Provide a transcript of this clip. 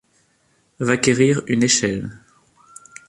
Va quérir une échelle.